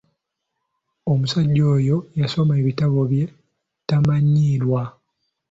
Omusajja oyo yasoma ebitabo bye tamanyiirwa.